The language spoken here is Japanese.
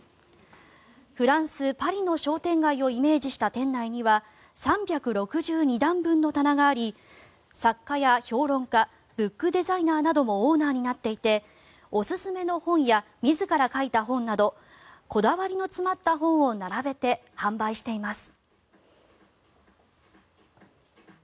フランス・パリの商店街をイメージした店内には３６２段分の棚があり作家や評論家ブックデザイナーなどもオーナーになっていておすすめの本や自ら書いた本などこだわりの詰まった本を並べて販売しています。